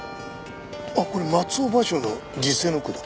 あっこれ松尾芭蕉の辞世の句だ。